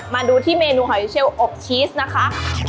มาดูที่เมนูหอยเชลอบชีสนะคะ